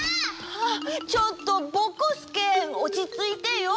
あっちょっとぼこすけおちついてよ！